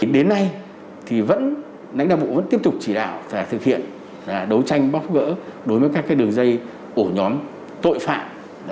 đến nay đảng đảng bộ vẫn tiếp tục chỉ đạo và thực hiện đấu tranh bóc gỡ đối với các đường dây ổ nhóm tội phạm